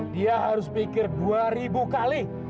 dia harus pikir dua ribu kali